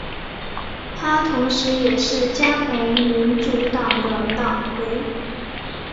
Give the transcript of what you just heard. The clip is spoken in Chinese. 他同时也是加蓬民主党的党魁。